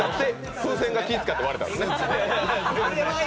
風船が気を遣って割れたんですよね。